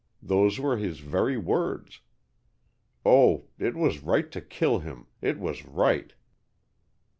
Those were his very words. Oh, it was right to kill him, it was right!"